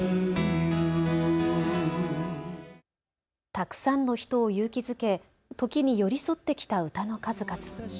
たくさんの人を勇気づけ時に寄り添ってきた歌の数々。